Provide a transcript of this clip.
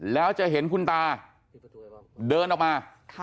แล้วจะเห็นคุณตาเดินออกมา